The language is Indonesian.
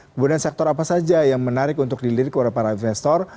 kemudian sektor apa saja yang menarik untuk dilirik kepada para investor